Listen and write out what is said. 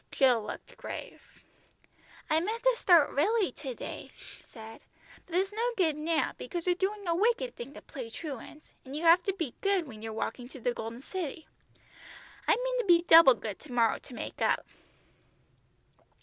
Jill looked grave. "I meant to start really to day," she said, "but it's no good now, because we're doing a wicked thing to play truant, and you have to be good when you're walking to the Golden City. I mean to be double good to morrow to make up."